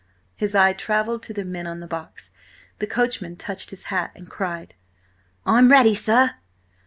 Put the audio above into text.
His eye travelled to the men on the box. The coachman touched his hat and cried: "I'm ready, sir!"